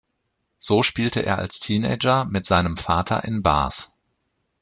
So spielte er als Teenager mit seinem Vater in Bars.